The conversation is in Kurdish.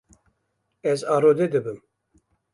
Ez arode dibim.